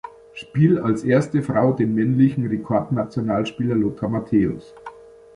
Spiel als erste Frau den männlichen Rekordnationalspieler Lothar Matthäus.